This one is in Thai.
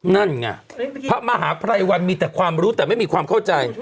นั่นไงพระมหาภัยวันมีแต่ความรู้แต่ไม่มีความเข้าใจ